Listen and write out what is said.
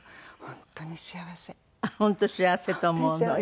本当幸せと思うの？